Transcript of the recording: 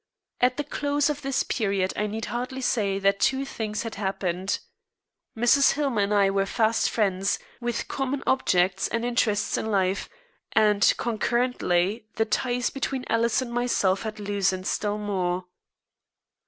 At the close of this period I need hardly say that two things had happened. Mrs. Hillmer and I were fast friends, with common objects and interests in life; and, concurrently, the ties between Alice and myself had loosened still more.